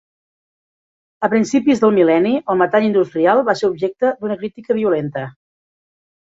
A principis del mil·lenni, el metall industrial va ser objecte d'una crítica violenta.